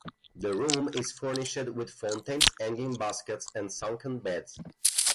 The room is furnished with fountains, hanging baskets, and sunken beds.